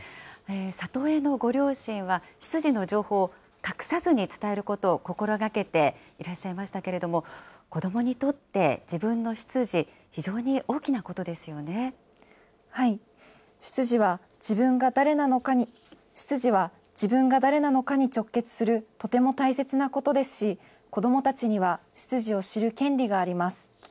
里親のご両親は、出自の情報を隠さずに伝えることを心がけていらっしゃいましたけれども、子どもにとって、自分の出自、非常に大出自は自分が誰なのかに直結するとても大切なことですし、子どもたちには出自を知る権利があります。